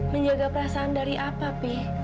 menjaga perasaan dari apa sih